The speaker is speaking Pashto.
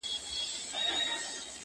ما مي د هسک وطن له هسکو غرو غرور راوړئ~